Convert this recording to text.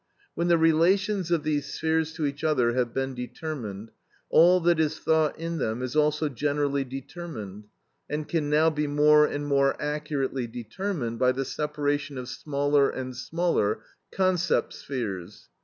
When the relations of these spheres to each other have been determined, all that is thought in them is also generally determined, and can now be more and more accurately determined by the separation of smaller and smaller concept spheres.